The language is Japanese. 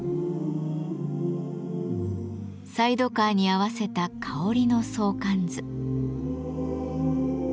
サイドカーに合わせた香りの相関図。